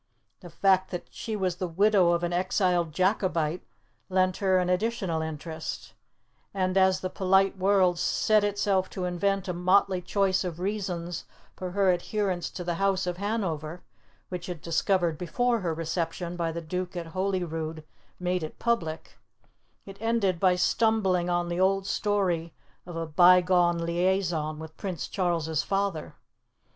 The fact that she was the widow of an exiled Jacobite lent her an additional interest; and as the polite world set itself to invent a motley choice of reasons for her adherence to the House of Hanover which it discovered before her reception by the Duke at Holyrood made it public it ended by stumbling on the old story of a bygone liaison with Prince Charles's father.